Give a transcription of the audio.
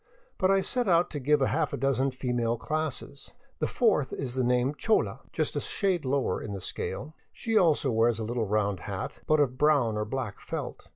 But I set out to give a half dozen female classes. The fourth is the same chola, just a shade lower in the scale. She also wears a little round hat, but of brown or black felt.